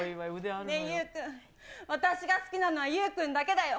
ゆう君、私が好きなのはゆう君だけだよ。